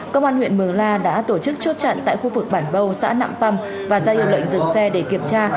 công an huyện mường la đã tổ chức chốt chặn tại khu vực bản bâu xã nạm păm và ra hiệu lệnh dừng xe để kiểm tra